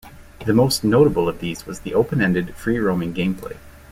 The most notable of these was the open-ended, free roaming gameplay.